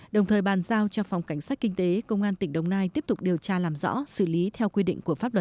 đồng thời bàn giao cho phòng cảnh sát kinh tế công an tỉnh đồng nai tiếp tục điều tra làm rõ xử lý theo quy định của pháp luật